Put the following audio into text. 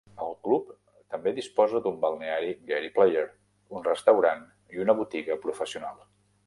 El club també disposa d'un balneari Gary Player, un restaurant i una botiga professional.